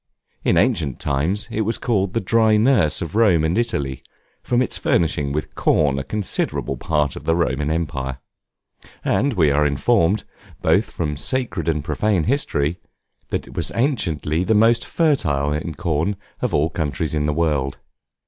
In ancient times it was called the dry nurse of Rome and Italy, from its furnishing with corn a considerable part of the Roman Empire; and we are informed, both from sacred and profane history, that it was anciently the most fertile in corn of all countries of the world.